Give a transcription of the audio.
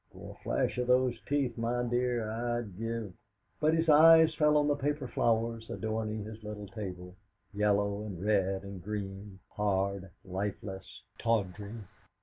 For a flash of those teeth, my dear, I'd give ' But his eyes fell on the paper flowers adorning his little table yellow and red and green; hard, lifeless, tawdry.